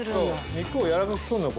肉をやわらかくするのよ